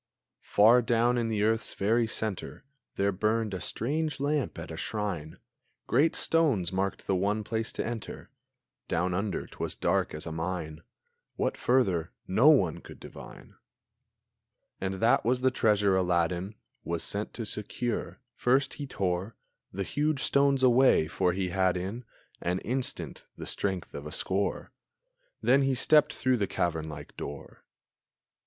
Far down in the earth's very centre There burned a strange lamp at a shrine; Great stones marked the one place to enter; Down under t'was dark as a mine; What further no one could divine! And that was the treasure Aladdin Was sent to secure. First he tore The huge stones away, for he had in An instant the strength of a score; Then he stepped through the cavern like door.